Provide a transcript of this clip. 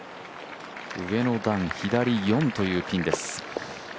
上の段、左４というピンです。